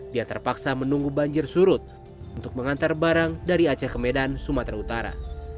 dia terpaksa menunggu banjir surut untuk mengantar barang dari aceh ke medan sumatera utara